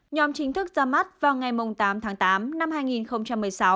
nhóm chính thức ra mắt vào ngày tám tháng tám năm hai nghìn một mươi sáu